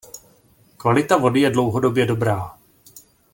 Kvalita vody je dlouhodobě dobrá.